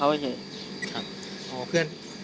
แล้วหลังจากนั้นเราขับหนีเอามามันก็ไล่ตามมาอยู่ตรงนั้น